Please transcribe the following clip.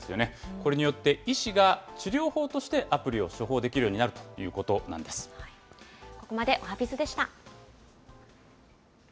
これによって医師が治療法としてアプリを処方できるようになるとここまでおはＢｉｚでした。